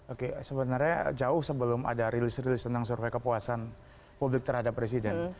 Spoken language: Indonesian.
oke sebenarnya jauh sebelum ada rilis rilis tentang survei kepuasan publik terhadap presiden